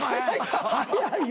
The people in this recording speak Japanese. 早いよ。